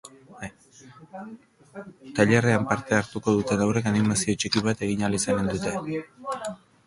Tailerrean parte hartuko duten haurrek animazio txiki bat egin ahal izanen dute.